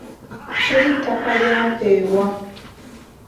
Teri ttaka lyampeebwa.